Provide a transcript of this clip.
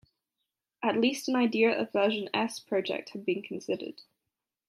At least an idea of version "S" project had been considered.